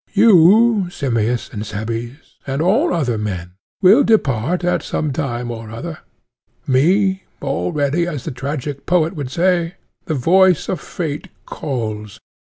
You, Simmias and Cebes, and all other men, will depart at some time or other. Me already, as the tragic poet would say, the voice of fate calls.